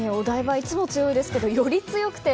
いつも強いですけどより強くて。